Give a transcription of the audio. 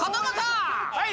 はい！